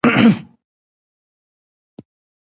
وجدان مو باید همېشه په ځان کښي وبلل سي.